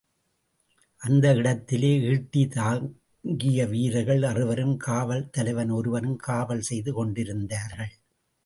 அந்த இடத்திலே ஈட்டி தாங்கிய வீரர்கள் அறுவரும், காவல் தலைவன் ஒருவனும் காவல் செய்து கொண்டிருந்தார்கள்.